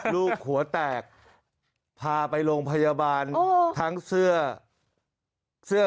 ลูกหัวแตกพาไปโรงพยาบาลทั้งเสื้อเสื้อ